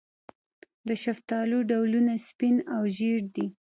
د شفتالو ډولونه سپین او ژیړ دي.